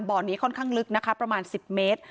บ่อนี้ค่อนข้างลึกนะคะประมาณ๑๐เมตร